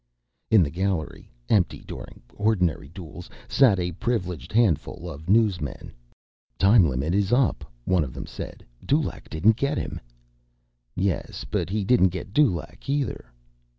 In the gallery—empty during ordinary duels—sat a privileged handful of newsmen. "Time limit is up," one of them said. "Dulaq didn't get him." "Yes, but he didn't get Dulaq, either."